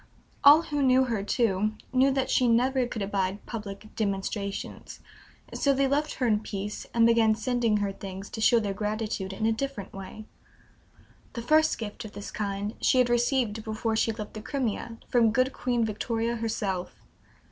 All who knew her, too, knew that she never could abide public "demonstrations"; so they left her in peace, and began sending her things, to show their gratitude in a different way. The first gift of this kind she had received before she left the Crimea, from good Queen Victoria herself.